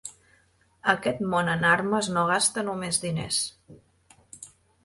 Aquest món en armes no gasta només diners.